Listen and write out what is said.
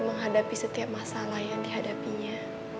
menghadapi setiap masalah yang dihadapinya